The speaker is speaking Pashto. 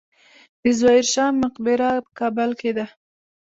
د ظاهر شاه مقبره په کابل کې ده